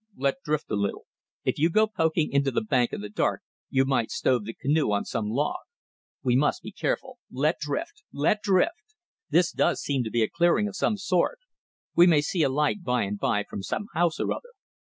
... Let drift a little. If you go poking into the bank in the dark you might stove the canoe on some log. We must be careful. ... Let drift! Let drift! ... This does seem to be a clearing of some sort. We may see a light by and by from some house or other.